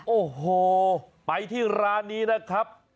โอ้โหไปที่ร้านนี้นะครับ